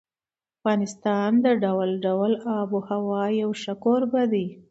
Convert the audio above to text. افغانستان د ډول ډول آب وهوا یو ښه کوربه دی.